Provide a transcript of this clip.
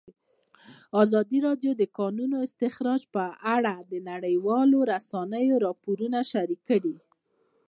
ازادي راډیو د د کانونو استخراج په اړه د نړیوالو رسنیو راپورونه شریک کړي.